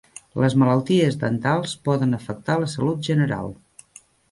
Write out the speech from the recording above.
Les malalties dentals poden afectar la salut general.